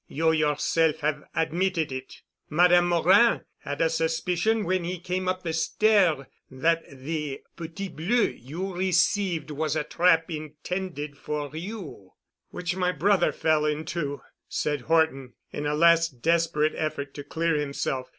You yourself have admitted it. Madame Morin had a suspicion when he came up the stair that the Petit Bleu you received was a trap intended for you——" "Which my brother fell into," said Horton, in a last desperate effort to clear himself.